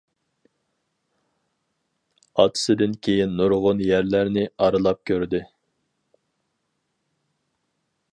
ئاتىسىدىن كېيىن نۇرغۇن يەرلەرنى ئارىلاپ كۆردى.